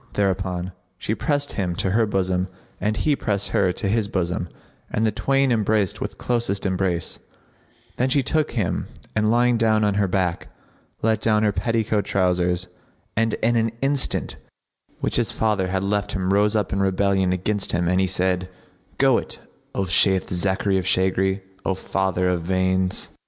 Thereupon she pressed him to her bosom and he pressed her to his bosom and the twain embraced with closest embrace, then she took him and, lying down on her back, let down her petticoat trousers, and in an instant that which his father had left him rose up in rebellion against him and he said, "Go it, O Shayth Zachary[FN#61] of shaggery, O father of veins!"